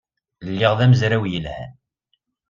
Lliɣ d amezraw yelhan.